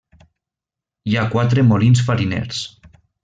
Hi ha quatre molins fariners.